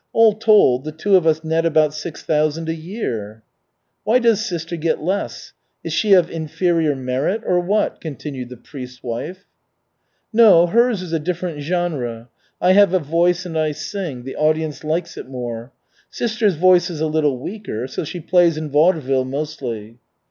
All told, the two of us net about six thousand a year." "Why does sister get less? Is she of inferior merit, or what?" continued the priest's wife. "No, hers is a different genre. I have a voice and I sing. The audience likes it more. Sister's voice is a little weaker. So she plays in vaudeville mostly."